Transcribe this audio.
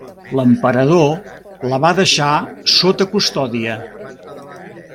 L'emperador la va deixar sota custòdia.